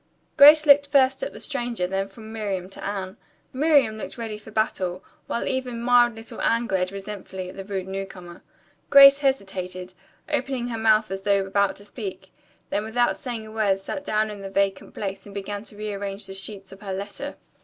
Grace looked first at the stranger then from Miriam to Anne. Miriam looked ready for battle, while even mild little Anne glared resentfully at the rude newcomer. Grace hesitated, opened her mouth as though about to speak, then without saying a word sat down in the vacant place and began to rearrange the sheets of her letter.